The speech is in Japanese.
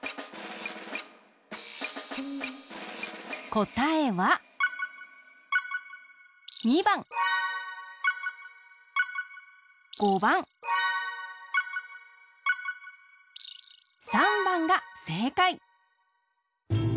こたえは２ばん５ばん３ばんがせいかい！